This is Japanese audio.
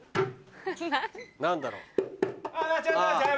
何だろう？